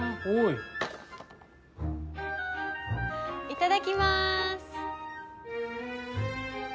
いただきます！